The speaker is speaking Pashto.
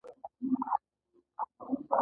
دا پرديتوب خطرناک دی.